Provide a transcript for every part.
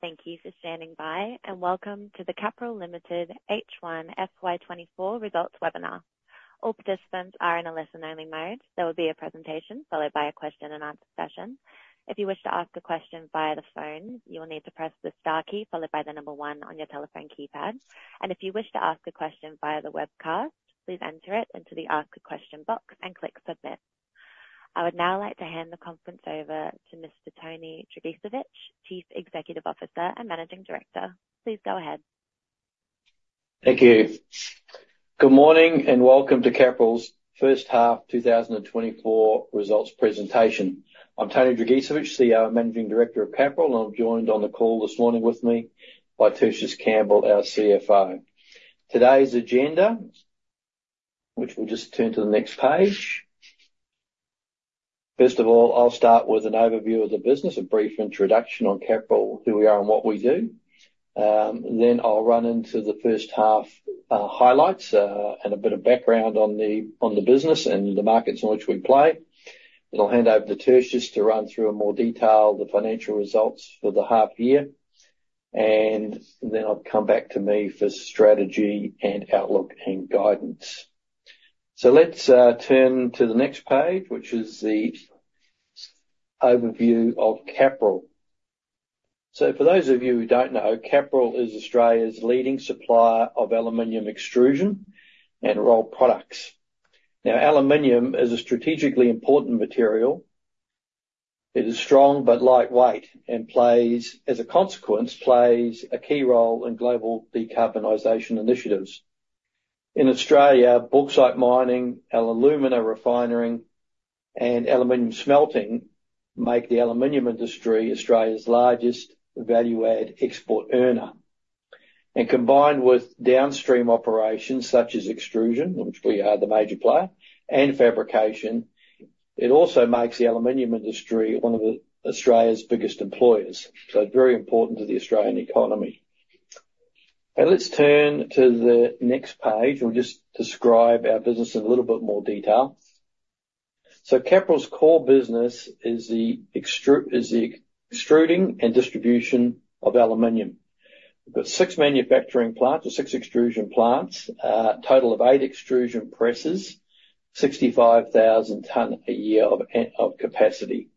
Thank you for standing by, and welcome to the Capral Limited H1 FY 2024 results webinar. All participants are in a listen-only mode. There will be a presentation followed by a question and answer session. If you wish to ask a question via the phone, you will need to press the star key followed by the number one on your telephone keypad. And if you wish to ask a question via the webcast, please enter it into the Ask a Question box and click submit. I would now like to hand the conference over to Mr. Tony Dragicevich, Chief Executive Officer and Managing Director. Please go ahead. Thank you. Good morning, and welcome to Capral's first half 2024 results presentation. I'm Tony Dragicevich, CEO and Managing Director of Capral, and I'm joined on the call this morning with me by Tertius Campbell, our CFO. Today's agenda, which we'll just turn to the next page. First of all, I'll start with an overview of the business, a brief introduction on Capral, who we are and what we do. Then I'll run into the first half highlights, and a bit of background on the business and the markets in which we play. Then I'll hand over to Tertius to run through in more detail the financial results for the half year, and then I'll come back to me for strategy and outlook and guidance. So let's turn to the next page, which is the overview of Capral. So for those of you who don't know, Capral is Australia's leading supplier of aluminum extrusion and rolled products. Now, aluminum is a strategically important material. It is strong but lightweight, and plays, as a consequence, a key role in global decarbonization initiatives. In Australia, bauxite mining, alumina refining, and aluminum smelting make the aluminum industry Australia's largest value-add export earner. Combined with downstream operations such as extrusion, which we are the major player, and fabrication, it also makes the aluminum industry one of Australia's biggest employers, so very important to the Australian economy. Now, let's turn to the next page. We'll just describe our business in a little bit more detail. So Capral's core business is the extruding and distribution of aluminum. We've got six manufacturing plants, or six extrusion plants, a total of eight extrusion presses, 65,000 tons a year of capacity.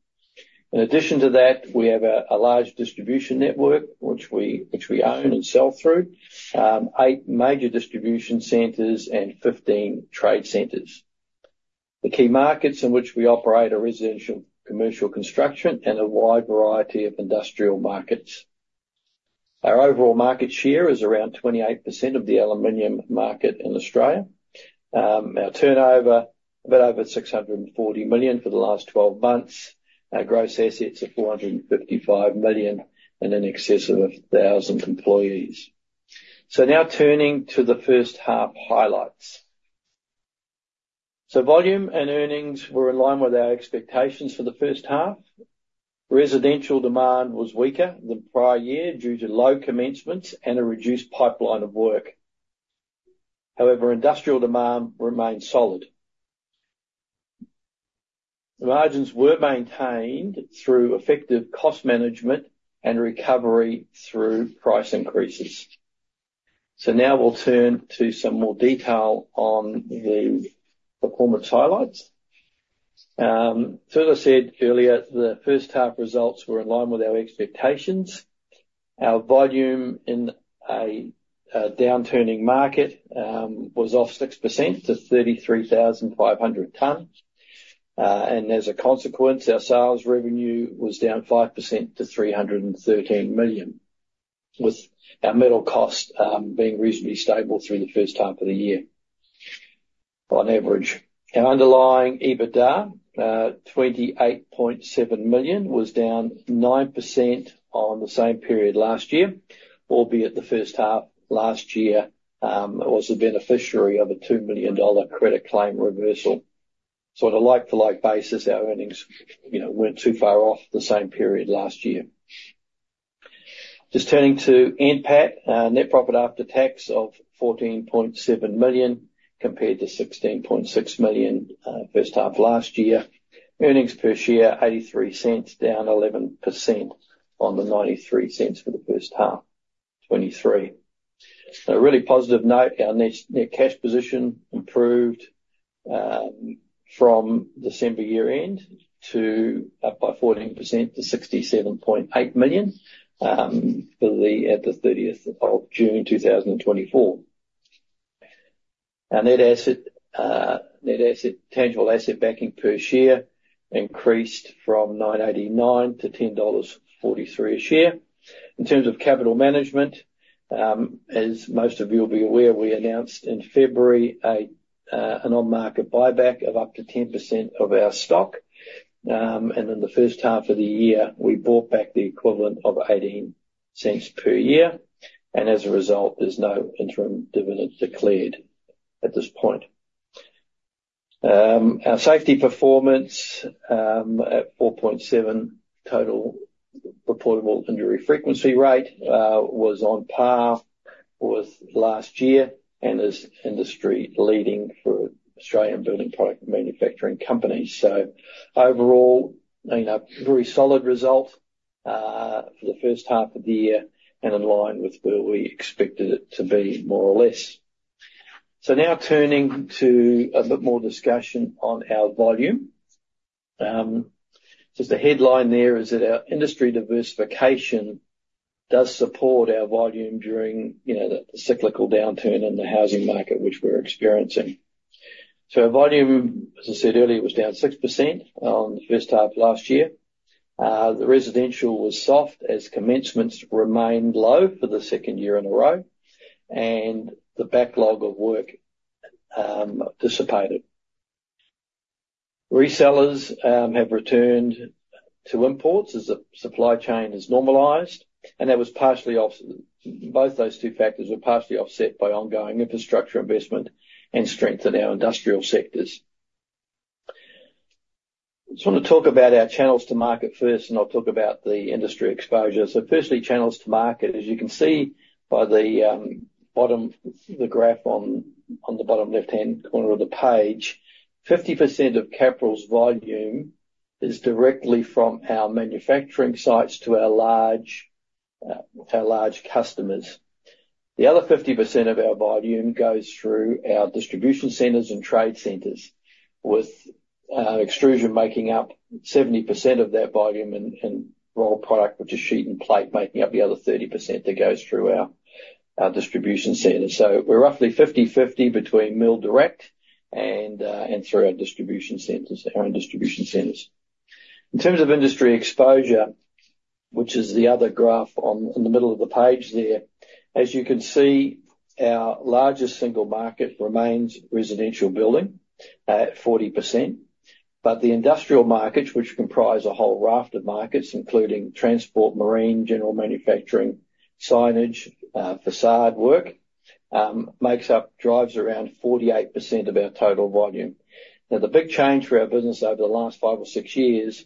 In addition to that, we have a large distribution network, which we own and sell through, eight major distribution centers and fifteen trade centers. The key markets in which we operate are residential, commercial, construction, and a wide variety of industrial markets. Our overall market share is around 28% of the aluminum market in Australia. Our turnover, a bit over 640 million for the last 12 months. Our gross assets are 455 million, and in excess of 1,000 employees. So now turning to the first half highlights. So volume and earnings were in line with our expectations for the first half. Residential demand was weaker than the prior year due to low commencements and a reduced pipeline of work. However, industrial demand remained solid. The margins were maintained through effective cost management and recovery through price increases. So now we'll turn to some more detail on the performance highlights. So as I said earlier, the first half results were in line with our expectations. Our volume in a down-turning market was off 6% to 33,500 tons. And as a consequence, our sales revenue was down 5% to 313 million, with our metal cost being reasonably stable through the first half of the year on average. Our underlying EBITDA, 28.7 million, was down 9% on the same period last year, albeit the first half last year was the beneficiary of a 2 million dollar credit claim reversal. So on a like-to-like basis, our earnings, you know, weren't too far off the same period last year. Just turning to NPAT, net profit after tax of 14.7 million, compared to 16.6 million, first half last year. Earnings per share, 0.83, down 11% on the 0.93 for the first half 2023. On a really positive note, our net cash position improved, from December year-end to up by 14% to 67.8 million, at the 30th of June 2024. Our net asset tangible asset backing per share increased from 9.89 to 10.43 dollars a share. In terms of capital management, as most of you will be aware, we announced in February an on-market buyback of up to 10% of our stock. And in the first half of the year, we bought back the equivalent of 0.18 per year, and as a result, there's no interim dividend declared at this point. Our safety performance at 4.7 total reportable injury frequency rate was on par with last year and is industry leading for Australian building product manufacturing companies. Overall, a very solid result for the first half of the year and in line with where we expected it to be, more or less. So now turning to a bit more discussion on our volume. Just a headline there is that our industry diversification does support our volume during, you know, the cyclical downturn in the housing market, which we're experiencing. So volume, as I said earlier, was down 6% on the first half of last year. The residential was soft as commencements remained low for the second year in a row, and the backlog of work dissipated. Resellers have returned to imports as the supply chain has normalized, and both those two factors were partially offset by ongoing infrastructure investment and strength in our industrial sectors. Just want to talk about our channels to market first, and I'll talk about the industry exposure. So firstly, channels to market. As you can see by the bottom, the graph on the bottom left-hand corner of the page, 50% of Capral's volume is directly from our manufacturing sites to our large customers. The other 50% of our volume goes through our distribution centers and trade centers, with extrusion making up 70% of that volume and raw product, which is sheet and plate, making up the other 30% that goes through our distribution centers. So we're roughly 50/50 between mill direct and through our distribution centers, our own distribution centers. In terms of industry exposure, which is the other graph in the middle of the page there, as you can see, our largest single market remains residential building, at 40%. But the industrial markets, which comprise a whole raft of markets, including transport, marine, general manufacturing, signage, facade work, makes up, drives around 48% of our total volume. Now, the big change for our business over the last five or six years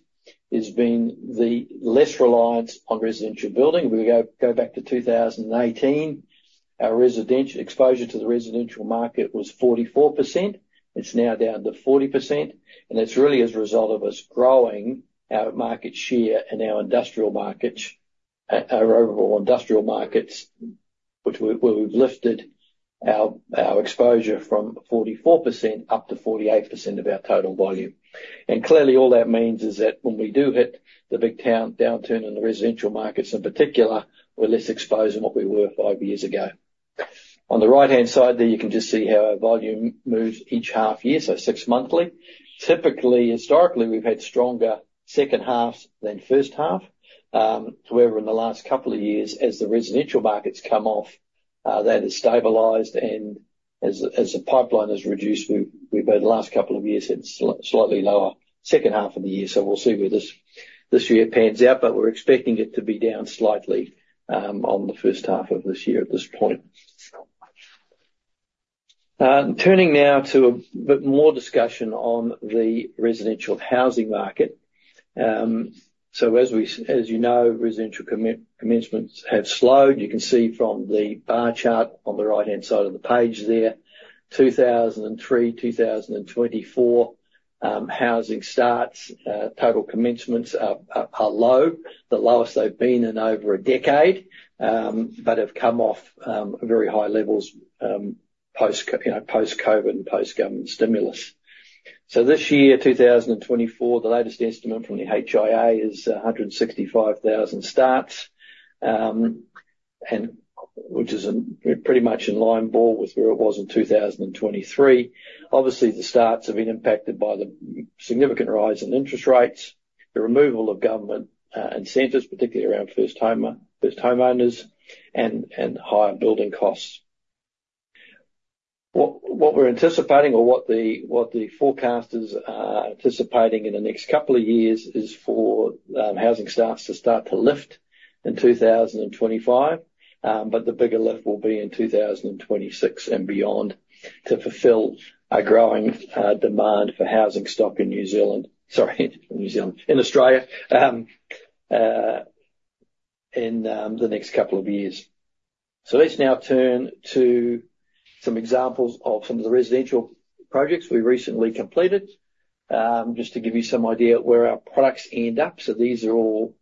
has been the less reliance on residential building. We go back to 2018, our residential exposure to the residential market was 44%. It's now down to 40%, and it's really as a result of us growing our market share in our industrial markets, our overall industrial markets, which we've lifted our exposure from 44% up to 48% of our total volume. And clearly all that means is that when we do hit the big downturn in the residential markets in particular, we're less exposed than what we were five years ago. On the right-hand side there, you can just see how our volume moves each half year, so six monthly. Typically, historically, we've had stronger second halves than first half. However, in the last couple of years, as the residential markets come off, that has stabilized, and as the pipeline has reduced, we've over the last couple of years had slightly lower second half of the year, so we'll see where this year pans out, but we're expecting it to be down slightly on the first half of this year at this point. Turning now to a bit more discussion on the residential housing market. So as you know, residential commencements have slowed. You can see from the bar chart on the right-hand side of the page there, 2003, 2024, housing starts, total commencements are low, the lowest they've been in over a decade, but have come off very high levels, post-COVID, you know, post-government stimulus. So this year, 2024, the latest estimate from the HIA is 165,000 starts, and which is pretty much in line, more with where it was in 2023. Obviously, the starts have been impacted by the significant rise in interest rates, the removal of government incentives, particularly around first-timer, first homeowners, and higher building costs. What we're anticipating or what the forecasters are anticipating in the next couple of years is for housing starts to start to lift in 2025, but the bigger lift will be in 2026 and beyond, to fulfill a growing demand for housing stock in New Zealand. Sorry, New Zealand, in Australia, in the next couple of years. So let's now turn to some examples of the residential projects we recently completed. Just to give you some idea of where our products end up. So these are all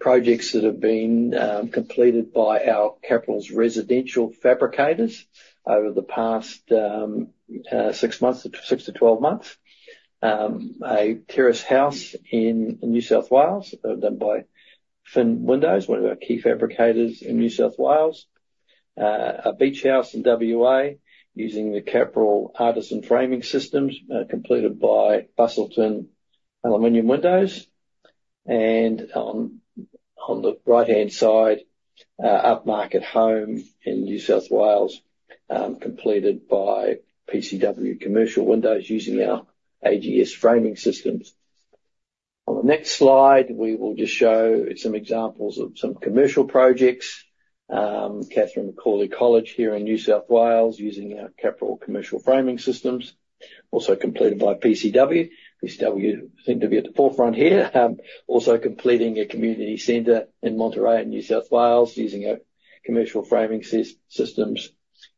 projects that have been completed by our Capral's residential fabricators over the past six to 12 months. A terrace house in New South Wales, done by Fin Windows, one of our key fabricators in New South Wales. A beach house in WA, using the Capral Artisan Framing Systems, completed by Busselton Aluminium Windows. On the right-hand side, an upmarket home in New South Wales, completed by PCW Commercial Windows using our AGS framing systems. On the next slide, we will just show some examples of some commercial projects. Catherine McAuley College here in New South Wales, using our Capral commercial framing systems, also completed by PCW. PCW seem to be at the forefront here. Also completing a community center in Monterey, New South Wales, using our commercial framing systems,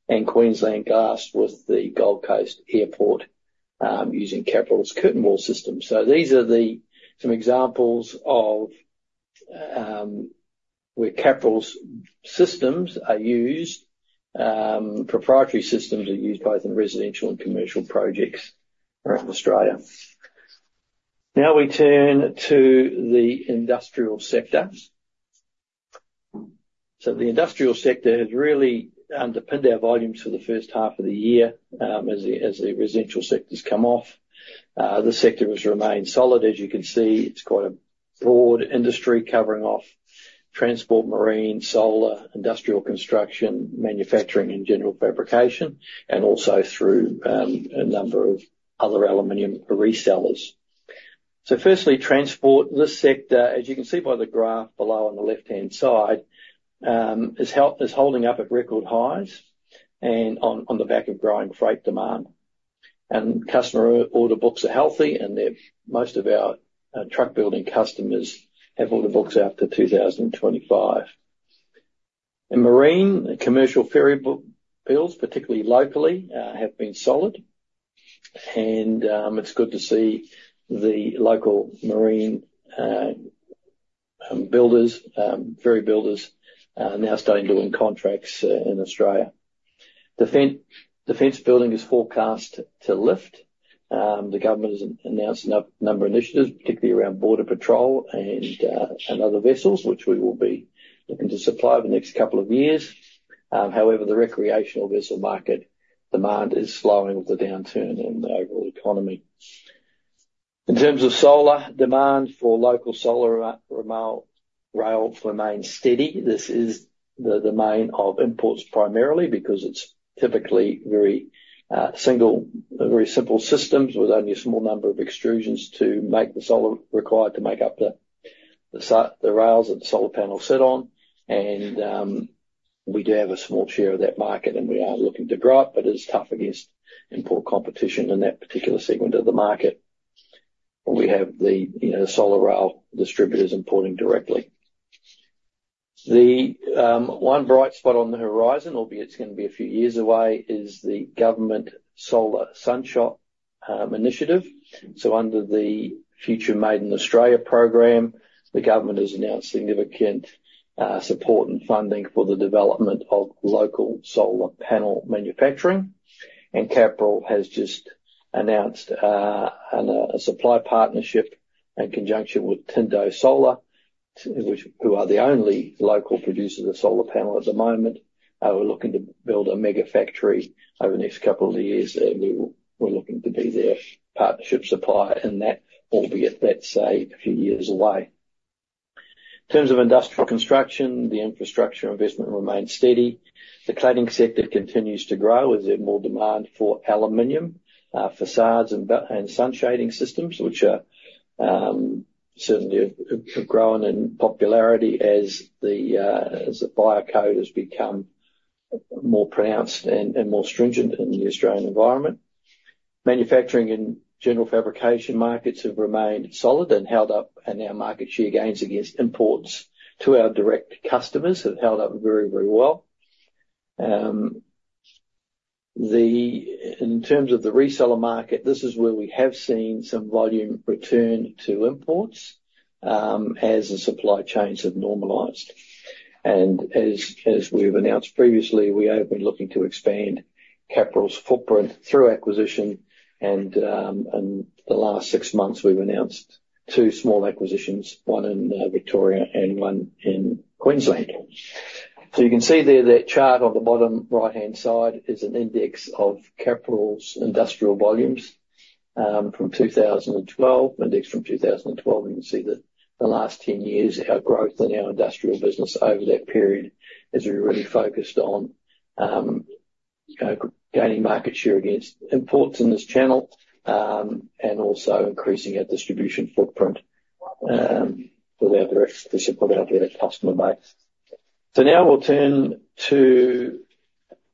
and Queensland Glass with the Gold Coast Airport, using Capral's curtain wall system. These are some examples of where Capral's systems are used. Proprietary systems are used both in residential and commercial projects around Australia. Now we turn to the industrial sector. So the industrial sector has really underpinned our volumes for the first half of the year, as the residential sector's come off. The sector has remained solid. As you can see, it's quite a broad industry, covering off transport, marine, solar, industrial construction, manufacturing, and general fabrication, and also through a number of other aluminum resellers. So firstly, transport. This sector, as you can see by the graph below on the left-hand side, is holding up at record highs, and on the back of growing freight demand. And customer order books are healthy, and they're most of our truck building customers have order books out to 2025. In marine, commercial ferry book builds, particularly locally, have been solid. It's good to see the local marine builders, ferry builders, now starting to win contracts in Australia. Defense building is forecast to lift. The government has announced a number of initiatives, particularly around border patrol and other vessels, which we will be looking to supply over the next couple of years. However, the recreational vessel market demand is slowing with the downturn in the overall economy. In terms of solar, demand for local solar rail remains steady. This is the domain of imports primarily, because it's typically very simple systems with only a small number of extrusions required to make up the rails that the solar panels sit on. We do have a small share of that market, and we are looking to grow it, but it's tough against import competition in that particular segment of the market, where we have the, you know, solar rail distributors importing directly. The one bright spot on the horizon, albeit it's gonna be a few years away, is the government Solar Sunshot initiative. Under the Future Made in Australia program, the government has announced significant support and funding for the development of local solar panel manufacturing, and Capral has just announced a supply partnership in conjunction with Tindo Solar, who are the only local producer of the solar panel at the moment. We're looking to build a mega factory over the next couple of years, and we're looking to be their partnership supplier in that, albeit that's a few years away. In terms of industrial construction, the infrastructure investment remains steady. The cladding sector continues to grow, as there's more demand for aluminum facades and sun shading systems, which certainly have grown in popularity as the fire code has become more pronounced and more stringent in the Australian environment. Manufacturing and general fabrication markets have remained solid and held up, and our market share gains against imports to our direct customers have held up very, very well. In terms of the reseller market, this is where we have seen some volume return to imports, as the supply chains have normalized, and as we've announced previously, we have been looking to expand Capral's footprint through acquisition, and in the last six months, we've announced two small acquisitions, one in Victoria and one in Queensland. So you can see there, that chart on the bottom right-hand side is an index of Capral's industrial volumes, from 2012, index from 2012, and you can see that the last 10 years, our growth in our industrial business over that period has really focused on, gaining market share against imports in this channel, and also increasing our distribution footprint, with our direct distributor and our direct customer base. So now we'll turn to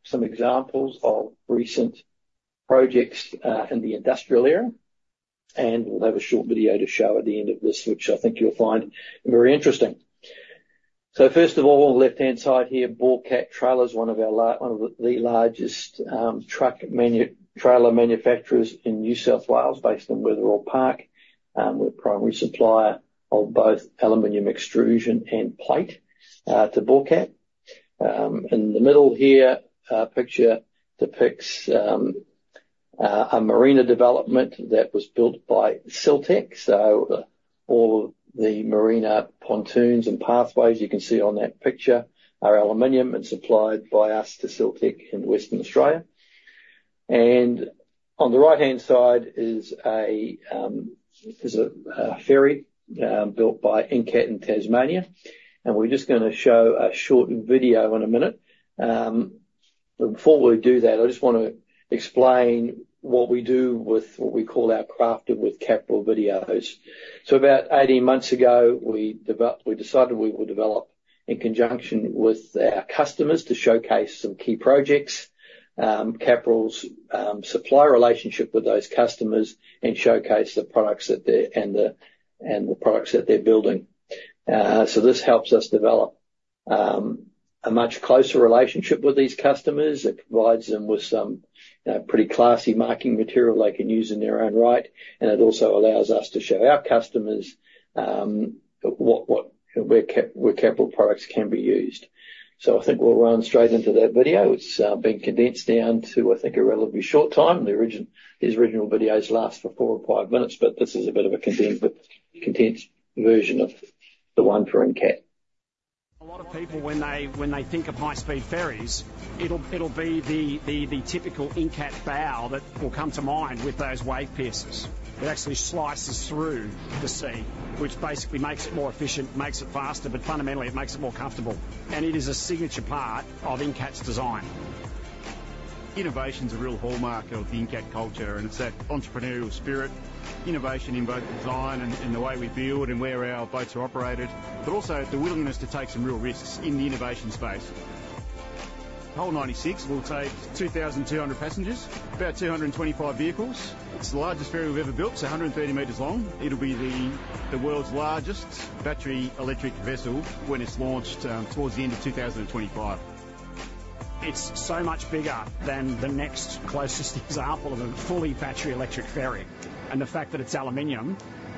some examples of recent projects, in the industrial area, and we'll have a short video to show at the end of this, which I think you'll find very interesting. So first of all, on the left-hand side here, Borcat Trailers, one of the largest trailer manufacturers in New South Wales, based in Wetherill Park. We're a primary supplier of both aluminum extrusion and plate to Borcat. In the middle here, picture depicts a marina development that was built by Siltech. So all the marina pontoons and pathways you can see on that picture are aluminum and supplied by us to Siltech in Western Australia. And on the right-hand side is a ferry built by Incat in Tasmania, and we're just gonna show a short video in a minute. But before we do that, I just wanna explain what we do with what we call our Crafted with Capral videos. So about 18 months ago, we developed. We decided we would develop in conjunction with our customers to showcase some key projects, Capral's supplier relationship with those customers, and showcase the products that they're building. So this helps us develop a much closer relationship with these customers. It provides them with some pretty classy marketing material they can use in their own right, and it also allows us to show our customers where Capral products can be used. So I think we'll run straight into that video. It's been condensed down to, I think, a relatively short time. These original videos last for four or five minutes, but this is a bit of a condensed version of the one for Incat. A lot of people, when they think of high-speed ferries, it'll be the typical Incat bow that will come to mind with those wave piercers. It actually slices through the sea, which basically makes it more efficient, makes it faster, but fundamentally it makes it more comfortable, and it is a signature part of Incat's design. Innovation's a real hallmark of the Incat culture, and it's that entrepreneurial spirit, innovation in both design and the way we build and where our boats are operated, but also the willingness to take some real risks in the innovation space. Hull 96 will take 2,200 passengers, about 225 vehicles. It's the largest ferry we've ever built. It's 130 meters long. It'll be the world's largest battery electric vessel when it's launched towards the end of 2025. It's so much bigger than the next closest example of a fully battery electric ferry, and the fact that it's aluminum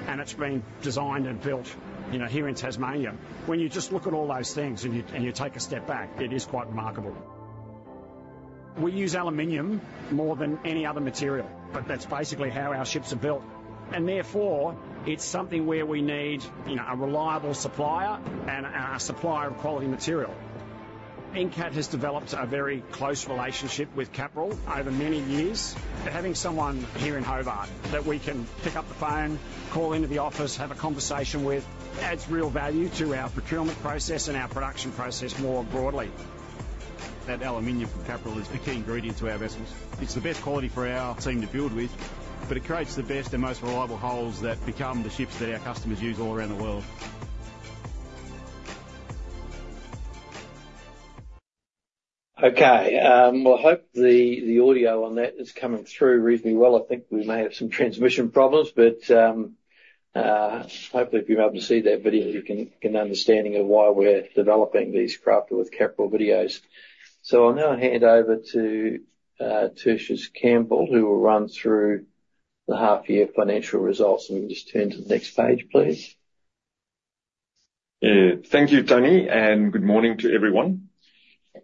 and it's been designed and built, you know, here in Tasmania, when you just look at all those things and you take a step back, it is quite remarkable. We use aluminum more than any other material, but that's basically how our ships are built. And therefore, it's something where we need, you know, a reliable supplier and a supplier of quality material. Incat has developed a very close relationship with Capral over many years. Having someone here in Hobart that we can pick up the phone, call into the office, have a conversation with, adds real value to our procurement process and our production process more broadly. That aluminum from Capral is a key ingredient to our vessels. It's the best quality for our team to build with, but it creates the best and most reliable hulls that become the ships that our customers use all around the world. Okay, well, I hope the audio on that is coming through reasonably well. I think we may have some transmission problems, but, hopefully if you're able to see that video, you can get an understanding of why we're developing these Crafted with Capral videos. So I'll now hand over to Tertius Campbell, who will run through the half year financial results. And we'll just turn to the next page, please. Yeah. Thank you, Tony, and good morning to everyone.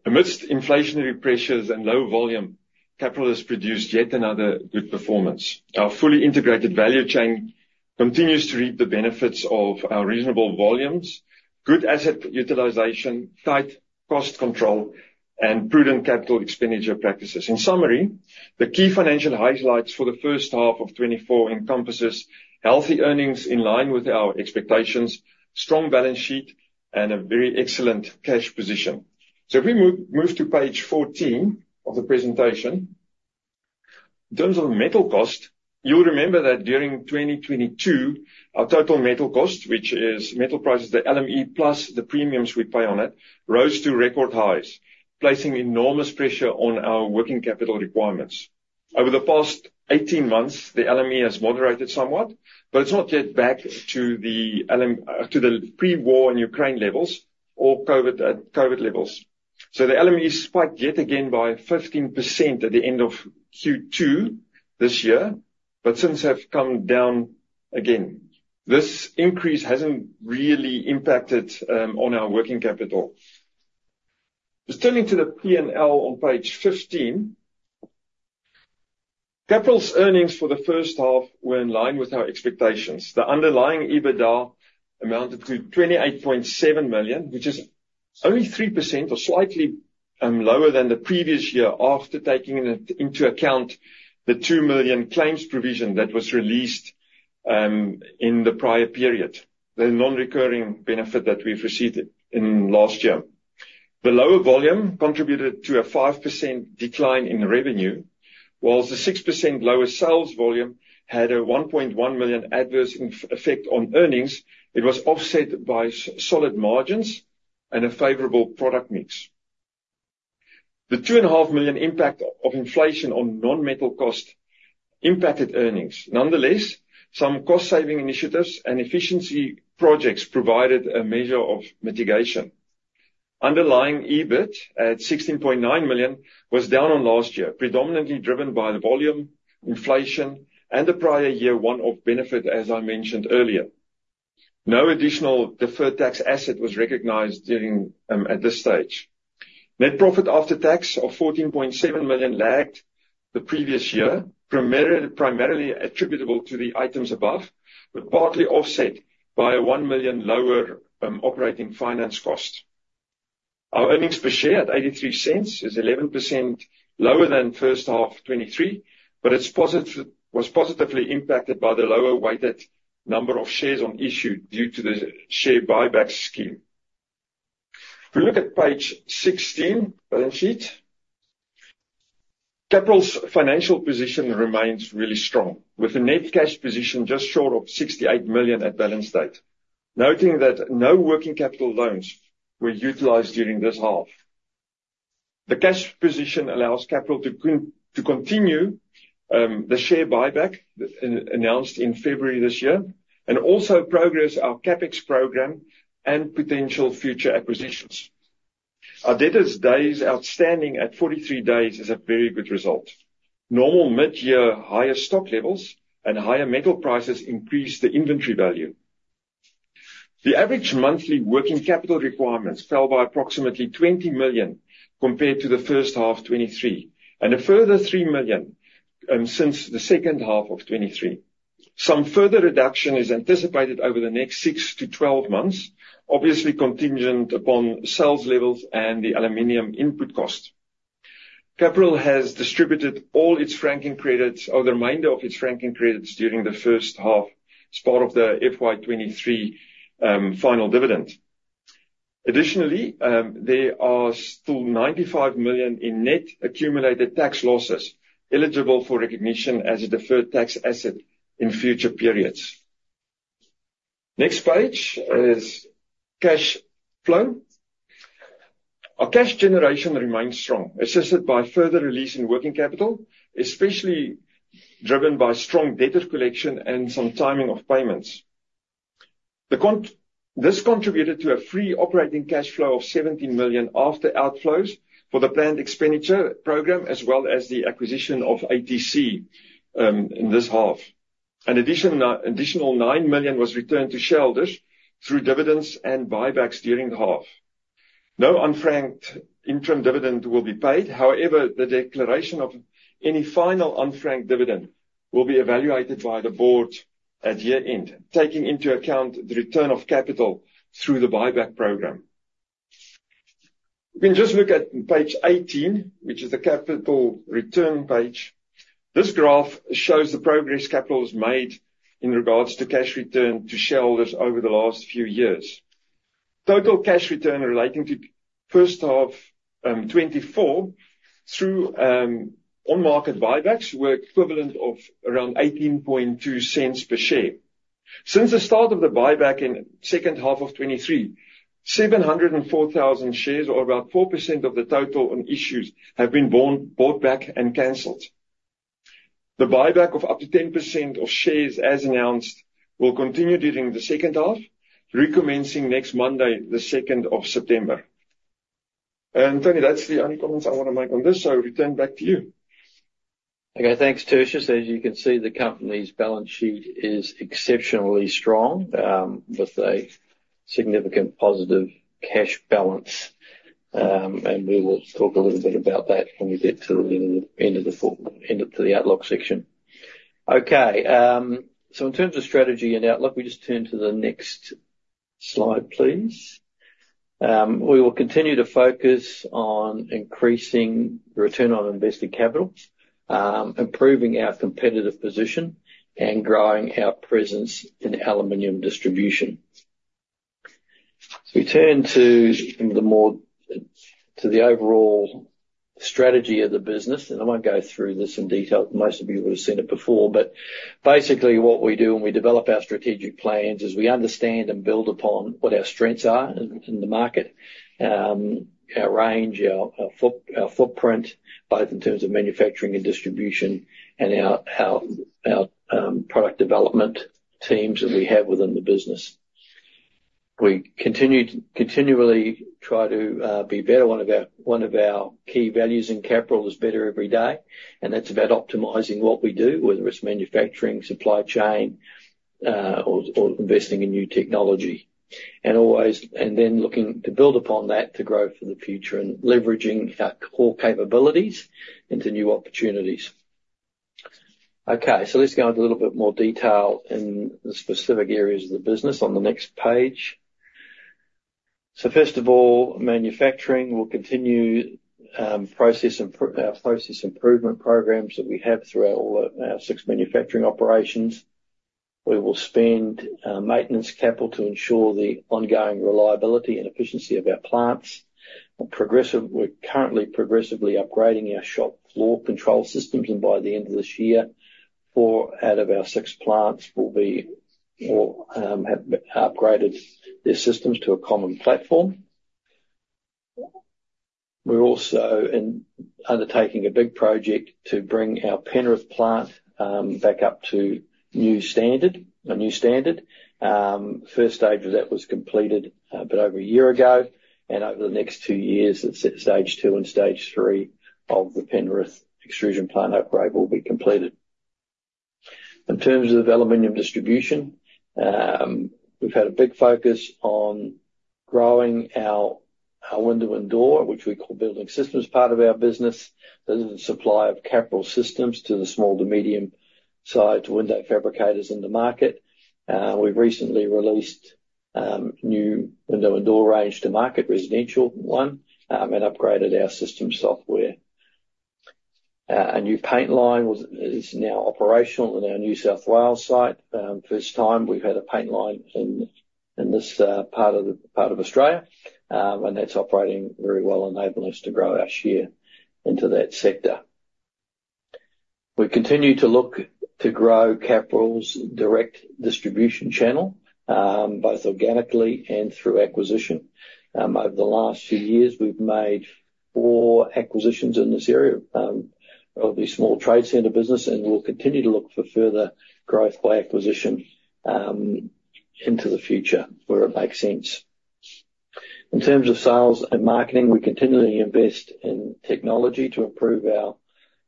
Amidst inflationary pressures and low volume, Capral has produced yet another good performance. Our fully integrated value chain continues to reap the benefits of our reasonable volumes, good asset utilization, tight cost control, and prudent capital expenditure practices. In summary, the key financial highlights for the first half of 2024 encompasses healthy earnings in line with our expectations, strong balance sheet, and a very excellent cash position. So if we move to page 14 of the presentation. In terms of metal cost, you'll remember that during 2022, our total metal cost, which is metal prices, the LME, plus the premiums we pay on it, rose to record highs, placing enormous pressure on our working capital requirements. Over the past 18 months, the LME has moderated somewhat, but it's not yet back to the pre-war in Ukraine levels or COVID levels. So the LME spiked yet again by 15% at the end of Q2 this year, but since have come down again. This increase hasn't really impacted on our working capital. Just turning to the P&L on page 15, Capral's earnings for the first half were in line with our expectations. The underlying EBITDA amounted to 28.7 million, which is only 3% or slightly lower than the previous year, after taking into account the 2 million claims provision that was released in the prior period, the non-recurring benefit that we've received in last year. The lower volume contributed to a 5% decline in revenue, while the 6% lower sales volume had an 1.1 million adverse impact on earnings. It was offset by solid margins and a favorable product mix. The 2.5 million impact of inflation on non-metal cost impacted earnings. Nonetheless, some cost-saving initiatives and efficiency projects provided a measure of mitigation. Underlying EBIT, at 16.9 million, was down on last year, predominantly driven by the volume, inflation, and the prior year one-off benefit, as I mentioned earlier. No additional deferred tax asset was recognized during, at this stage. Net profit after tax of 14.7 million lagged the previous year, primarily attributable to the items above, but partly offset by a 1 million lower, operating finance cost. Our earnings per share at 0.83 is 11%... lower than first half 2023, but it's positive, was positively impacted by the lower weighted number of shares on issue due to the share buyback scheme. If you look at page 16, balance sheet, Capral's financial position remains really strong, with a net cash position just short of 68 million at balance date, noting that no working capital loans were utilized during this half. The cash position allows Capral to continue the share buyback announced in February this year, and also progress our CapEx program and potential future acquisitions. Our debtors days outstanding at 43 days is a very good result. Normal mid-year higher stock levels and higher metal prices increase the inventory value. The average monthly working capital requirements fell by approximately 20 million compared to the first half 2023, and a further 3 million since the second half of 2023. Some further reduction is anticipated over the next six to 12 months, obviously contingent upon sales levels and the aluminum input cost. Capral has distributed all its franking credits, or the remainder of its franking credits, during the first half as part of the FY 2023 final dividend. Additionally, there are still 95 million in net accumulated tax losses eligible for recognition as a deferred tax asset in future periods. Next page is cash flow. Our cash generation remains strong, assisted by further release in working capital, especially driven by strong debtor collection and some timing of payments. This contributed to a free operating cash flow of 17 million after outflows for the planned expenditure program, as well as the acquisition of ATC, in this half. Additional 9 million was returned to shareholders through dividends and buybacks during the half. No unfranked interim dividend will be paid. However, the declaration of any final unfranked dividend will be evaluated by the board at year-end, taking into account the return of capital through the buyback program. We can just look at page 18, which is the capital return page. This graph shows the progress Capral has made in regards to cash return to shareholders over the last few years. Total cash return relating to first half 2024, through on-market buybacks, were equivalent of around 0.182 per share. Since the start of the buyback in second half of 2023, 704,000 shares, or about 4% of the total on issue, have been bought back and canceled. The buyback of up to 10% of shares, as announced, will continue during the second half, recommencing next Monday, the 2nd of September. Tony, that's the only comments I want to make on this, so I return back to you. Okay, thanks, Tertius. As you can see, the company's balance sheet is exceptionally strong, with a significant positive cash balance, and we will talk a little bit about that when we get to the end of the outlook section. Okay, so in terms of strategy and outlook, we just turn to the next slide, please. We will continue to focus on increasing return on invested capitals, improving our competitive position, and growing our presence in aluminum distribution. We turn to the overall strategy of the business, and I won't go through this in detail. Most of you would have seen it before, but basically, what we do when we develop our strategic plans, is we understand and build upon what our strengths are in the market, our range, our footprint, both in terms of manufacturing and distribution, and our product development teams that we have within the business. We continue to continually try to be better. One of our key values in Capral is Better Every Day, and that's about optimizing what we do, whether it's manufacturing, supply chain, or investing in new technology. And then looking to build upon that to grow for the future and leveraging our core capabilities into new opportunities. Okay, so let's go into a little bit more detail in the specific areas of the business on the next page. First of all, manufacturing. We'll continue our process improvement programs that we have through our six manufacturing operations. We will spend maintenance capital to ensure the ongoing reliability and efficiency of our plants. We're currently progressively upgrading our shop floor control systems, and by the end of this year, four out of our six plants will have upgraded their systems to a common platform. We're also undertaking a big project to bring our Penrith plant back up to a new standard. First stage of that was completed about a year ago, and over the next two years, stage two and stage three of the Penrith extrusion plant upgrade will be completed. In terms of the aluminum distribution, we've had a big focus on growing our window and door, which we call Building Systems, part of our business. This is the supply of Capral Systems to the small-to-medium-sized window fabricators in the market. We've recently released new window and door range to market, residential one, and upgraded our system software. A new paint line is now operational in our New South Wales site. First time we've had a paint line in this part of Australia, and that's operating very well, enabling us to grow our share into that sector. We continue to look to grow Capral's direct distribution channel, both organically and through acquisition. Over the last few years, we've made four acquisitions in this area, of the small trade center business, and we'll continue to look for further growth by acquisition, into the future where it makes sense. In terms of sales and marketing, we continually invest in technology to improve our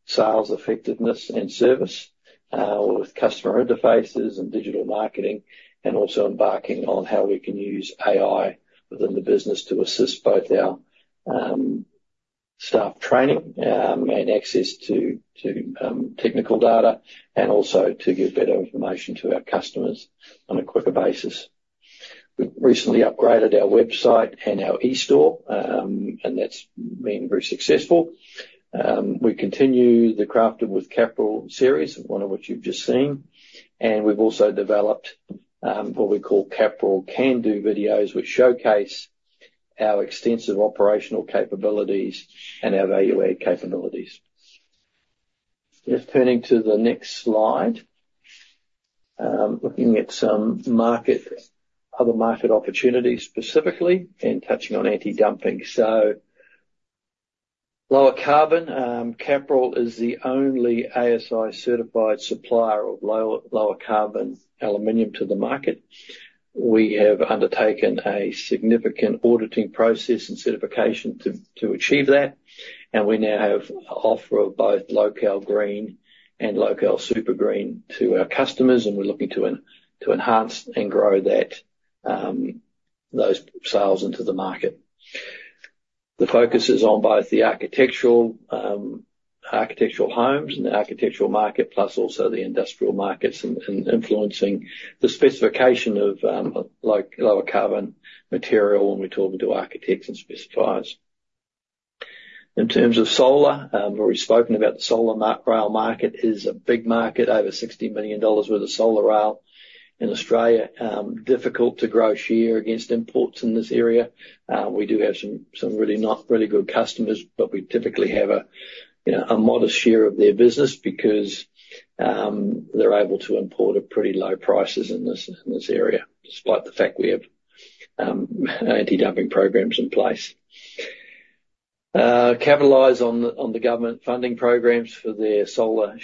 sales effectiveness and service, with customer interfaces and digital marketing, and also embarking on how we can use AI within the business to assist both our staff training, and access to technical data, and also to give better information to our customers on a quicker basis. We've recently upgraded our website and our eStore, and that's been very successful. We continue the Crafted with Capral series, one of which you've just seen, and we've also developed what we call Capral Can Do videos, which showcase our extensive operational capabilities and our value-add capabilities. Just turning to the next slide. Looking at some other market opportunities specifically, and touching on antidumping, so lower carbon Capral is the only ASI-certified supplier of lower carbon aluminum to the market. We have undertaken a significant auditing process and certification to achieve that, and we now have an offer of both LocAl Green and LocAl Super Green to our customers, and we're looking to enhance and grow those sales into the market. The focus is on both the architectural homes and the architectural market, plus also the industrial markets, and influencing the specification of, like, lower carbon material when we're talking to architects and specifiers. In terms of solar, we've already spoken about the solar rail market is a big market, over 60 million dollars worth of solar rail in Australia. Difficult to grow share against imports in this area. We do have some really good customers, but we typically have a, you know, a modest share of their business because, they're able to import at pretty low prices in this area, despite the fact we have, antidumping programs in place. Capitalize on the government funding programs for their Solar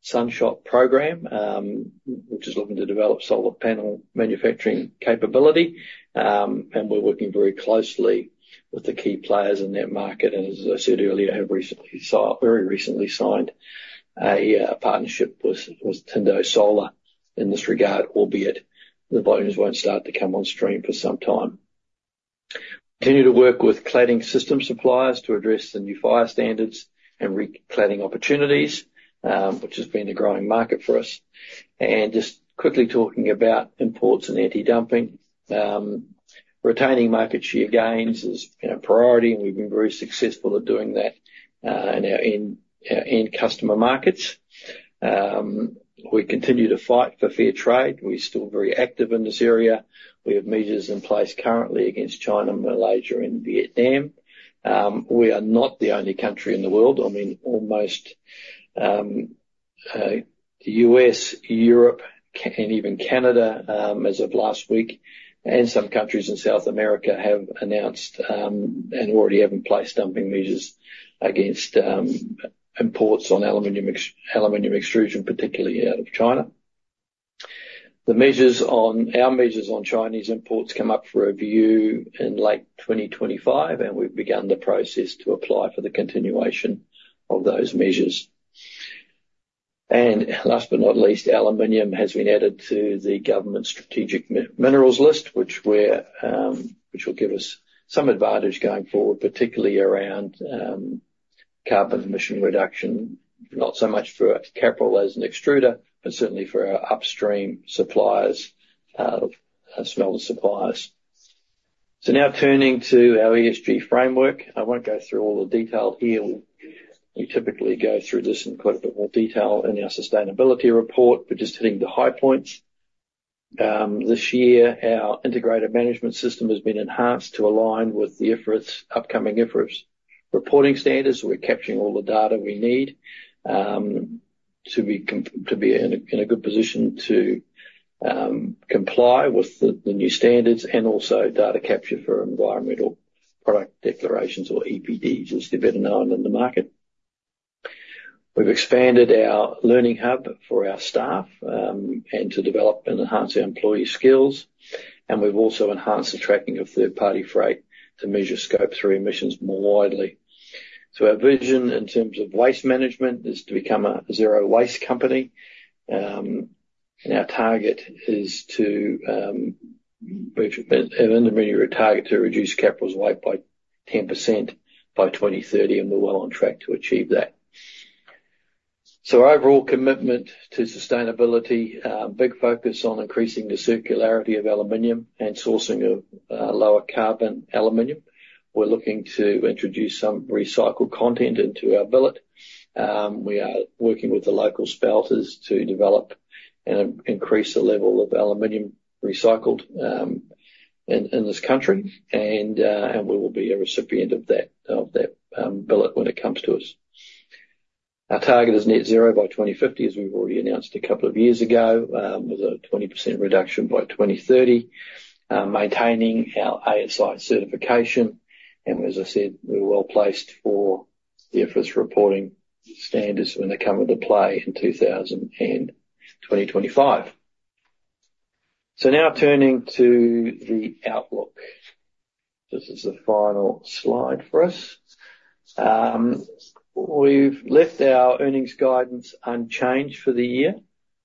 Sunshot program, which is looking to develop solar panel manufacturing capability. And we're working very closely with the key players in that market, and as I said earlier, have very recently signed a partnership with Tindo Solar in this regard, albeit the volumes won't start to come on stream for some time. Continue to work with cladding system suppliers to address the new fire standards and re-cladding opportunities, which has been a growing market for us. And just quickly talking about imports and antidumping. Retaining market share gains is, you know, a priority, and we've been very successful at doing that in our end customer markets. We continue to fight for fair trade. We're still very active in this area. We have measures in place currently against China, Malaysia, and Vietnam. We are not the only country in the world. I mean, almost the U.S., Europe, and even Canada, as of last week, and some countries in South America, have announced and already have in place, dumping measures against imports on aluminum extrusion, particularly out of China. The measures our measures on Chinese imports come up for review in late 2025, and we've begun the process to apply for the continuation of those measures. And last but not least, aluminum has been added to the government's strategic minerals list, which will give us some advantage going forward, particularly around carbon emission reduction, not so much for Capral as an extruder, but certainly for our upstream suppliers, our smelter suppliers. So now turning to our ESG framework, I won't go through all the detail here. We typically go through this in quite a bit more detail in our sustainability report, but just hitting the high points. This year, our integrated management system has been enhanced to align with the IFRS, upcoming IFRS reporting standards. So we're capturing all the data we need to be in a good position to comply with the new standards and also data capture for environmental product declarations, or EPDs, as they're better known in the market. We've expanded our learning hub for our staff and to develop and enhance our employees' skills, and we've also enhanced the tracking of third-party freight to measure Scope 3 emissions more widely. So our vision in terms of waste management is to become a zero-waste company. And our target is an intermediary target to reduce Capral's waste by 10% by 2030, and we're well on track to achieve that. So our overall commitment to sustainability, big focus on increasing the circularity of aluminum and sourcing of lower carbon aluminum. We're looking to introduce some recycled content into our billet. We are working with the local smelters to develop and increase the level of aluminum recycled in this country, and we will be a recipient of that billet when it comes to us. Our target is net zero by 2050, as we've already announced a couple of years ago, with a 20% reduction by 2030, maintaining our ASI certification, and as I said, we're well placed for the first reporting standards when they come into play in 2025. So now turning to the outlook. This is the final slide for us. We've left our earnings guidance unchanged for the year.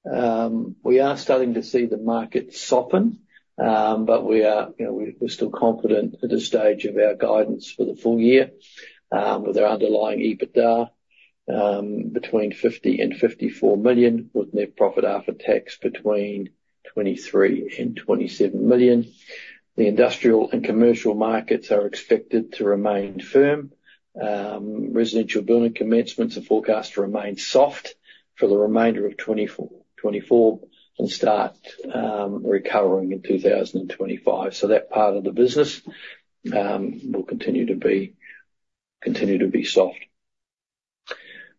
We are starting to see the market soften, but we are, you know, we're still confident at this stage of our guidance for the full year, with our underlying EBITDA between 50 million and 54 million, with net profit after tax between 23 million and 27 million. The industrial and commercial markets are expected to remain firm. Residential building commencements are forecast to remain soft for the remainder of 2024 and start recovering in 2025, so that part of the business will continue to be soft.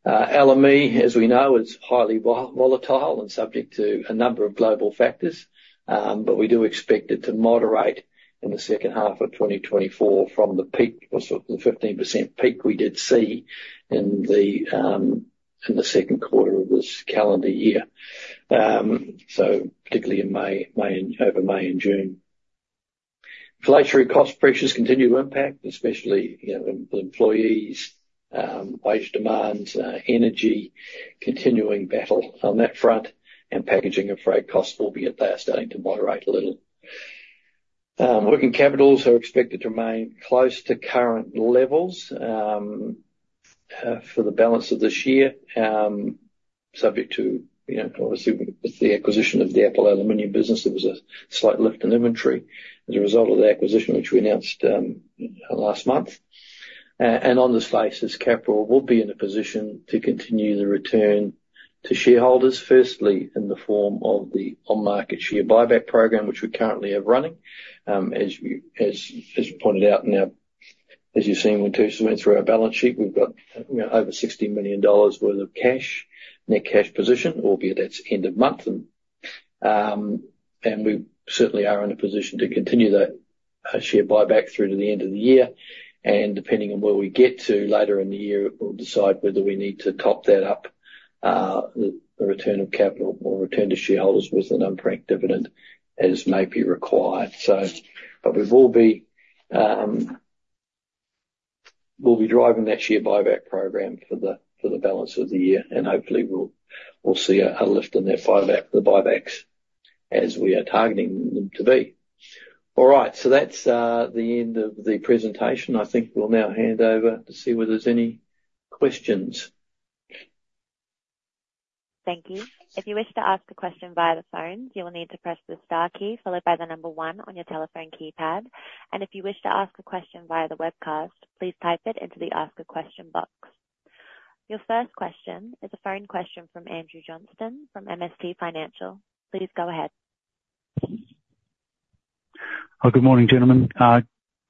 LME, as we know, is highly volatile and subject to a number of global factors, but we do expect it to moderate in the second half of 2024 from the peak, the 15% peak we did see in the second quarter of this calendar year, so particularly in May and June. Inflationary cost pressures continue to impact, especially, you know, the employees wage demands, energy, continuing battle on that front, and packaging and freight costs, albeit they are starting to moderate a little. Working capital is expected to remain close to current levels for the balance of this year, subject to, you know, obviously with the acquisition of the Apple Aluminium business, there was a slight lift in inventory as a result of the acquisition, which we announced last month. And on this basis, Capral will be in a position to continue the return to shareholders, firstly in the form of the on-market share buyback program, which we currently are running. As you've seen when we went through our balance sheet, we've got, you know, over 60 million dollars worth of cash, net cash position, albeit that's end of month. And we certainly are in a position to continue that share buyback through to the end of the year, and depending on where we get to later in the year, we'll decide whether we need to top that up, the return of capital or return to shareholders with an unfranked dividend as may be required. But we will be driving that share buyback program for the balance of the year, and hopefully we'll see a lift in the buybacks, as we are targeting them to be. All right. That's the end of the presentation. I think we'll now hand over to see whether there's any questions. Thank you. If you wish to ask a question via the phone, you will need to press the star key followed by the number one on your telephone keypad, and if you wish to ask a question via the webcast, please type it into the Ask a Question box. Your first question is a phone question from Andrew Johnston from MST Financial. Please go ahead. Hi, good morning, gentlemen.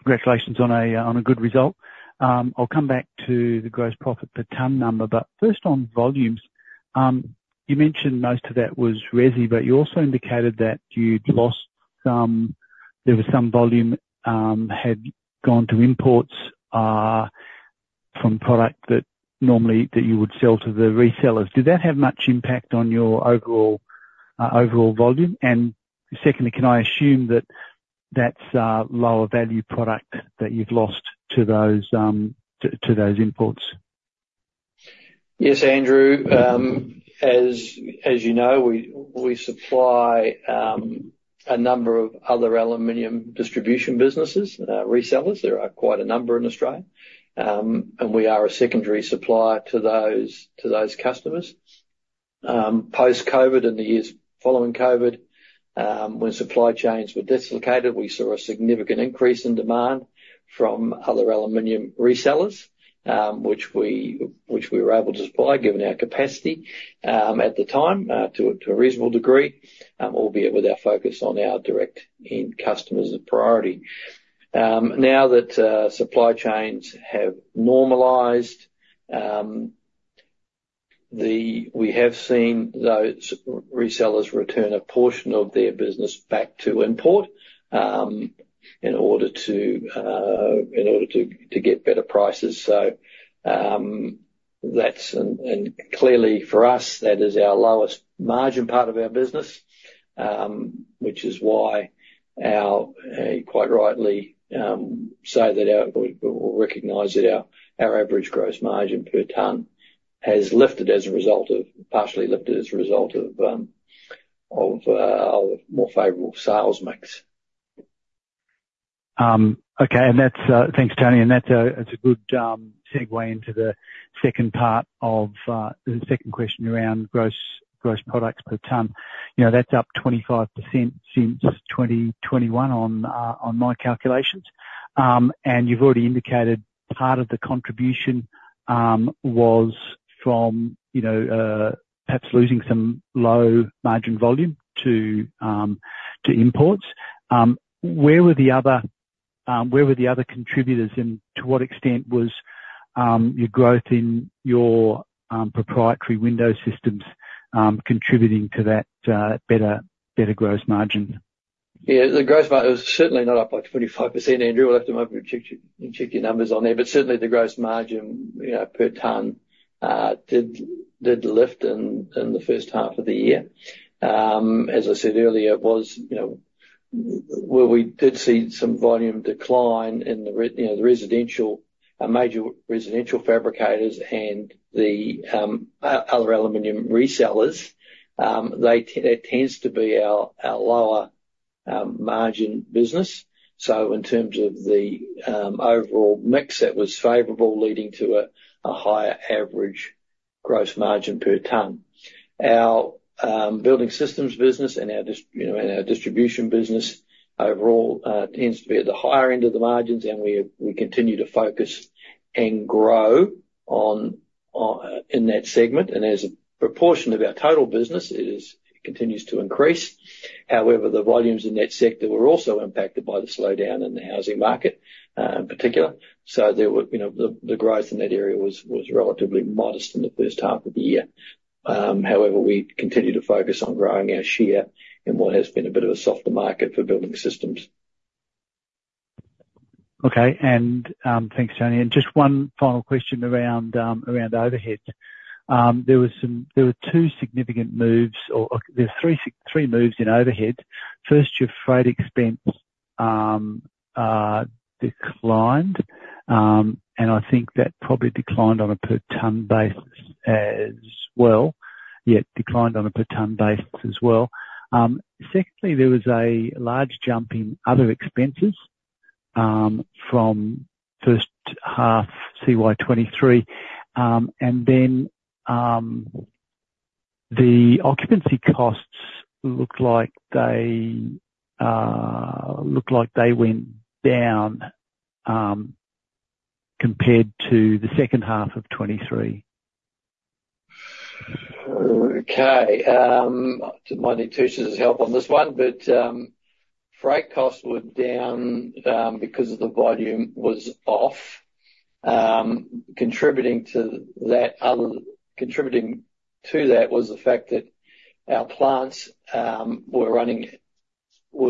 Congratulations on a good result. I'll come back to the gross profit per ton number, but first on volumes, you mentioned most of that was resi, but you also indicated that you'd lost some, there was some volume had gone to imports from product that normally you would sell to the resellers. Did that have much impact on your overall volume? And secondly, can I assume that that's lower value product that you've lost to those imports? Yes, Andrew. As you know, we supply a number of other aluminum distribution businesses, resellers. There are quite a number in Australia. And we are a secondary supplier to those customers. Post-COVID, in the years following COVID, when supply chains were dislocated, we saw a significant increase in demand from other aluminum resellers, which we were able to supply, given our capacity at the time, to a reasonable degree, albeit with our focus on our direct end customers a priority. Now that supply chains have normalized, we have seen those resellers return a portion of their business back to import, in order to get better prices. So, that's... Clearly, for us, that is our lowest margin part of our business, which is why, quite rightly, we say that we recognize that our average gross margin per ton has lifted, partially as a result of our more favorable sales mix. ... Okay, and that's-- Thanks, Tony, and that's a good segue into the second part of the second question around gross products per ton. You know, that's up 25% since 2021 on my calculations. And you've already indicated part of the contribution was from, you know, perhaps losing some low margin volume to imports. Where were the other contributors, and to what extent was your growth in your proprietary window systems contributing to that better gross margin? Yeah, the gross margin it was certainly not up by 25%, Andrew. I'll have to maybe check your, check your numbers on there. But certainly the gross margin, you know, per ton, did lift in the first half of the year. As I said earlier, it was, you know, where we did see some volume decline in the residential, major residential fabricators and the other aluminum resellers, they that tends to be our lower margin business. So in terms of the overall mix, that was favorable, leading to a higher average gross margin per ton. Our Building Systems business and our distribution business overall tends to be at the higher end of the margins, and we continue to focus and grow on in that segment, and as a proportion of our total business, it continues to increase. However, the volumes in that sector were also impacted by the slowdown in the housing market in particular. You know, the growth in that area was relatively modest in the first half of the year. However, we continue to focus on growing our share in what has been a bit of a softer market for Building Systems. Okay, and, thanks, Tony. And just one final question around overhead. There were two significant moves, or three moves in overhead. First, your freight expense declined, and I think that probably declined on a per ton basis as well. Yeah, it declined on a per ton basis as well. Secondly, there was a large jump in other expenses from first half CY 2023, and then the occupancy costs looked like they went down compared to the second half of 2023. Okay, I might need Tertius's help on this one, but freight costs were down because of the volume was off. Contributing to that was the fact that our plants were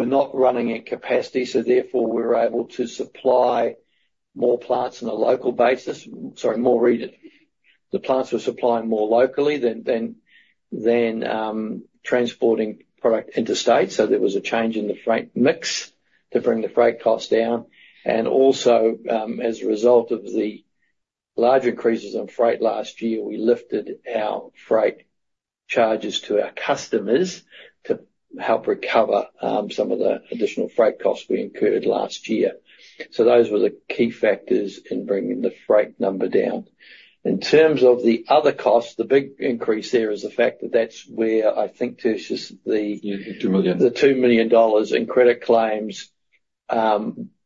not running at capacity, so therefore we were able to supply more readily. The plants were supplying more locally than transporting product interstate, so there was a change in the freight mix to bring the freight costs down. And also, as a result of the large increases in freight last year, we lifted our freight charges to our customers to help recover some of the additional freight costs we incurred last year. So those were the key factors in bringing the freight number down. In terms of the other costs, the big increase there is the fact that that's where I think, Tertius, the- The 2 million dollars. - the AUD 2 million in credit claims,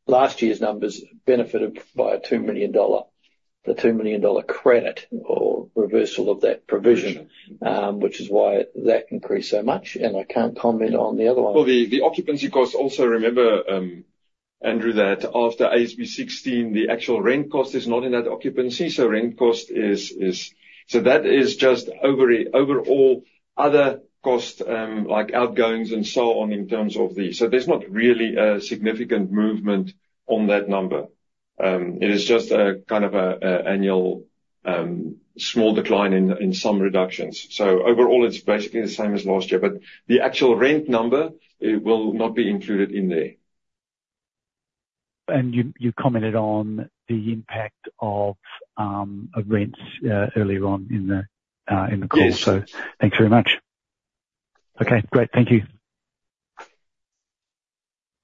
last year's numbers benefited by the 2 million dollar credit or reversal of that provision- Provision. which is why that increased so much, and I can't comment on the other one. Well, the occupancy cost, also remember, Andrew, that after AASB 16, the actual rent cost is not in that occupancy, so rent cost is. So that is just overall other costs, like outgoings and so on, in terms of the. So there's not really a significant movement on that number. It is just a kind of an annual small decline in some reductions. So overall, it's basically the same as last year, but the actual rent number, it will not be included in there. You commented on the impact of rents earlier on in the call. Yes. So thanks very much. Okay, great. Thank you.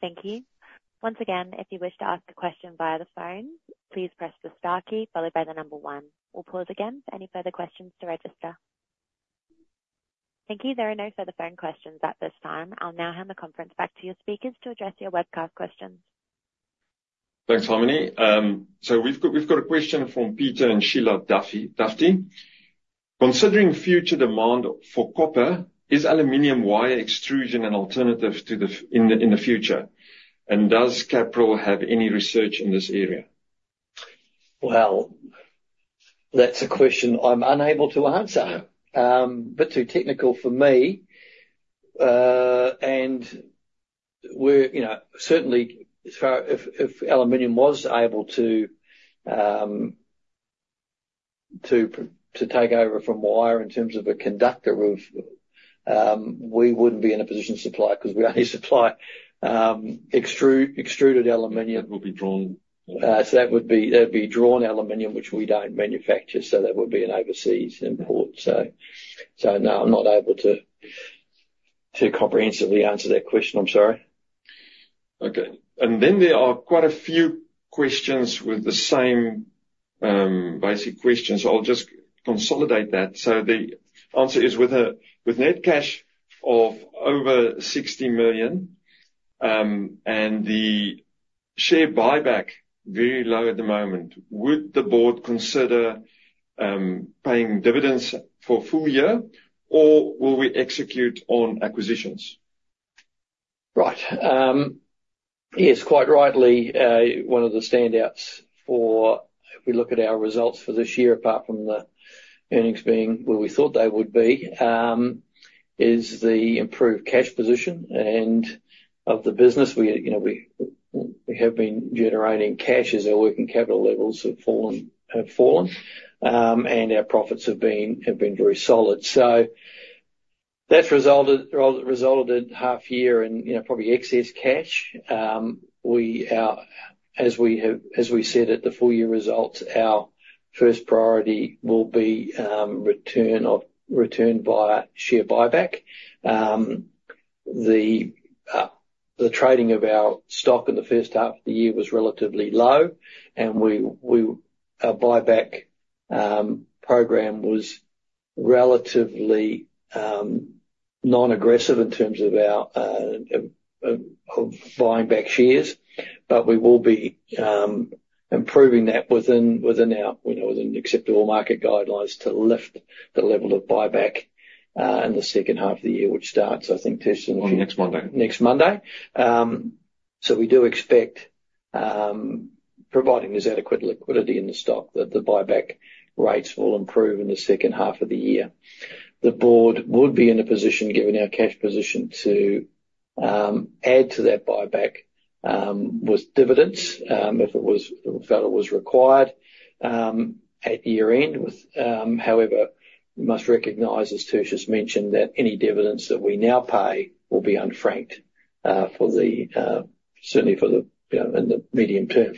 Thank you. Once again, if you wish to ask a question via the phone, please press the star key followed by the number one. We'll pause again for any further questions to register. Thank you. There are no further phone questions at this time. I'll now hand the conference back to your speakers to address your webcast questions. Thanks, Harmony. So we've got a question from Peter and Sheila Dufty: "Considering future demand for copper, is aluminum wire extrusion an alternative in the future? And does Capral have any research in this area? That's a question I'm unable to answer. A bit too technical for me, and we're, you know, certainly as far... if aluminium was able to to take over from wire in terms of a conductor of, we wouldn't be in a position to supply it, 'cause we only supply extruded aluminium. It would be drawn. So that would be, that'd be drawn aluminum, which we don't manufacture, so that would be an overseas import. So no, I'm not able to comprehensively answer that question, I'm sorry? Okay, and then there are quite a few questions with the same, basic question, so I'll just consolidate that. So the answer is, with a, with net cash of over 60 million, and the share buyback very low at the moment, would the board consider, paying dividends for full year, or will we execute on acquisitions? Right. Yes, quite rightly, one of the standouts, if we look at our results for this year, apart from the earnings being where we thought they would be, is the improved cash position and of the business. We, you know, we have been generating cash as our working capital levels have fallen. Our profits have been very solid. That resulted in half-year, and you know, probably excess cash. We, as we said at the full year results, our first priority will be return via share buyback. The trading of our stock in the first half of the year was relatively low, and we, our buyback program was relatively non-aggressive in terms of our buying back shares. But we will be improving that within our, you know, within acceptable market guidelines to lift the level of buyback in the second half of the year, which starts, I think, Tish- On next Monday. Next Monday. So we do expect, providing there's adequate liquidity in the stock, that the buyback rates will improve in the second half of the year. The board would be in a position, given our cash position, to add to that buyback with dividends if it was felt it was required at year-end. However, we must recognize, as Tertius just mentioned, that any dividends that we now pay will be unfranked certainly for the medium term.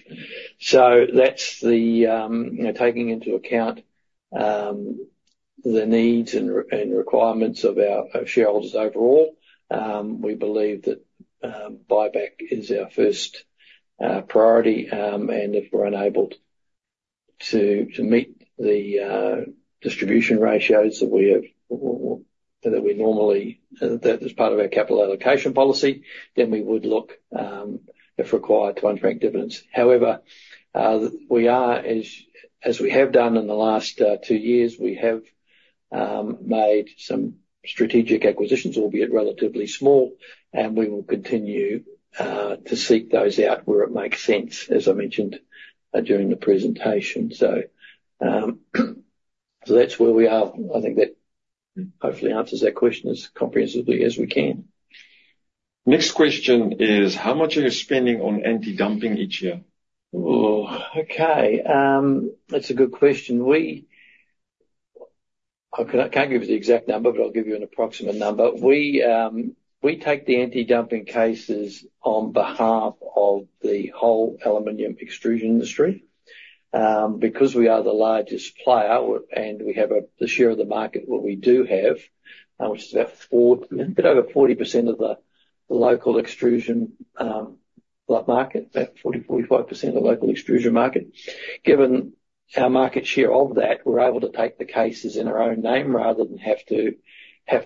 So that's the you know taking into account the needs and requirements of our shareholders overall, we believe that buyback is our first priority. And if we're unable to meet the distribution ratios that we have that we normally... That, as part of our capital allocation policy, then we would look, if required, to unfranked dividends. However, we are, as we have done in the last two years, we have made some strategic acquisitions, albeit relatively small, and we will continue to seek those out where it makes sense, as I mentioned, during the presentation. So that's where we are. I think that hopefully answers that question as comprehensively as we can. Next question is: How much are you spending on anti-dumping each year? Oh, okay. That's a good question. I can't give you the exact number, but I'll give you an approximate number. We take the anti-dumping cases on behalf of the whole aluminum extrusion industry. Because we are the largest player, and we have the share of the market that we do have, which is about 40, a bit over 40% of the local extrusion market, about 40%-45% of the local extrusion market. Given our market share of that, we're able to take the cases in our own name, rather than have to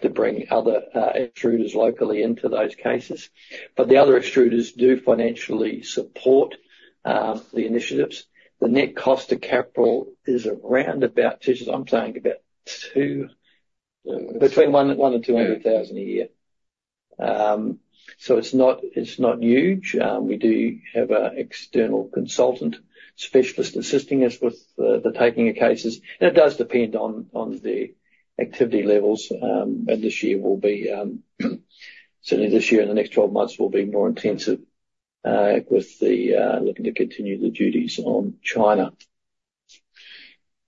bring other extruders locally into those cases. But the other extruders do financially support the initiatives. The net cost to capital is around about, Tertius, I'm saying about two- Yeah. Between 100,000 and 200,000 a year. So it's not huge. We do have an external consultant specialist assisting us with the taking of cases, and it does depend on the activity levels, and this year will be certainly this year and the next twelve months will be more intensive, with the looking to continue the duties on China.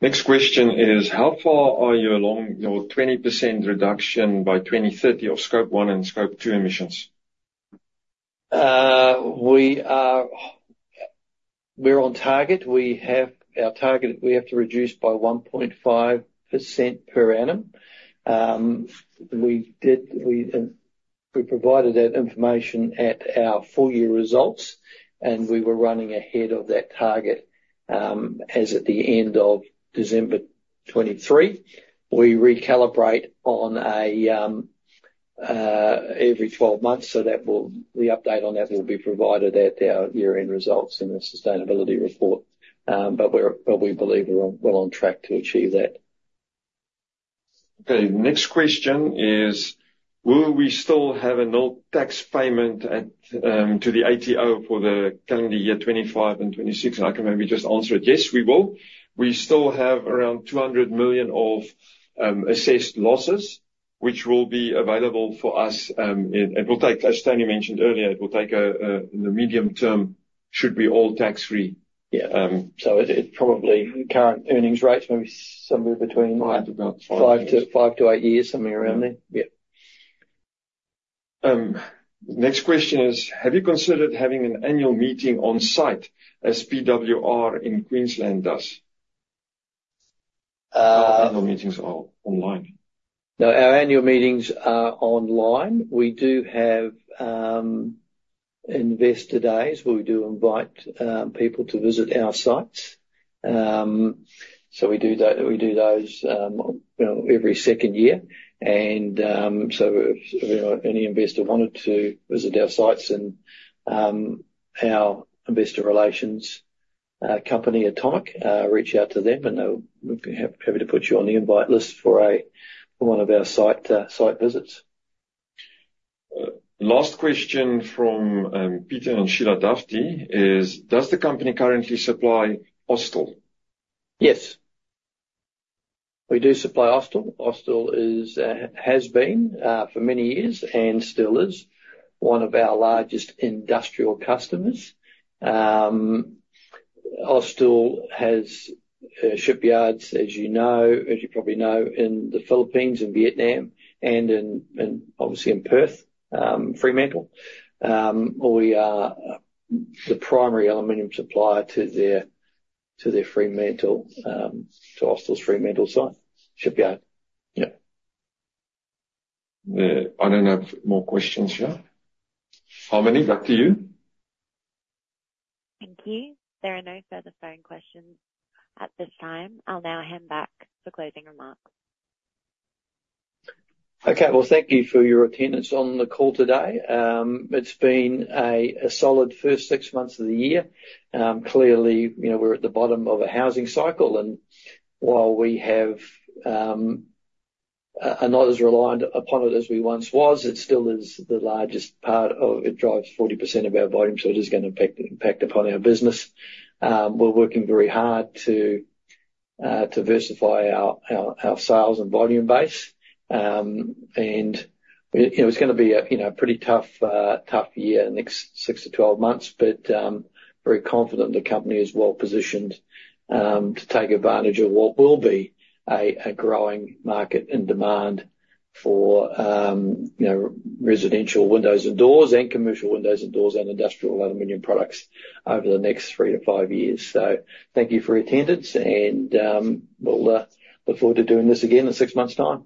Next question is: How far are you along your 20% reduction by 2030 of Scope 1 and Scope 2 emissions? We're on target. Our target, we have to reduce by 1.5% per annum. We provided that information at our full year results, and we were running ahead of that target, as at the end of December 2023. We recalibrate every 12 months, so the update on that will be provided at our year-end results in the sustainability report. But we believe we're well on track to achieve that. Okay, next question is: Will we still have a nil tax payment at to the ATO for the calendar year 2025 and 2026? And I can maybe just answer it. Yes, we will. We still have around 200 million of assessed losses, which will be available for us, and will take, as Tony mentioned earlier, it will take a in the medium term, should be all tax-free. Yeah. Um- It probably current earnings rates, maybe somewhere between five- About five- Five to eight years, something around there. Yeah. Yeah. Next question is: Have you considered having an annual meeting on site, as PWR in Queensland does?... All annual meetings are online? No, our annual meetings are online. We do have investor days, where we do invite people to visit our sites. So we do those, you know, every second year, and so if you know any investor wanted to visit our sites, and our investor relations company at Tyche reach out to them, and they'll, we'd be happy to put you on the invite list for one of our site visits. Last question from Peter and Sheila Dufty is: Does the company currently supply Austal? Yes. We do supply Austal. Austal is, has been, for many years, and still is, one of our largest industrial customers. Austal has shipyards, as you know, as you probably know, in the Philippines and Vietnam, and obviously in Perth, Fremantle. We are the primary aluminum supplier to their Fremantle, to Austal's Fremantle site. Shipyard. Yep. I don't have more questions here. Harmony, back to you. Thank you. There are no further phone questions at this time. I'll now hand back for closing remarks. Okay, well, thank you for your attendance on the call today. It's been a solid first six months of the year. Clearly, you know, we're at the bottom of a housing cycle, and while we are not as reliant upon it as we once was, it still is the largest part of... It drives 40% of our volume, so it is gonna impact upon our business. We're working very hard to diversify our sales and volume base. And you know, it's gonna be a pretty tough year the next six to 12 months, but very confident the company is well positioned to take advantage of what will be a growing market and demand for you know, residential windows and doors and commercial windows and doors and industrial aluminum products over the next three to five years. So thank you for your attendance, and we'll look forward to doing this again in six months' time.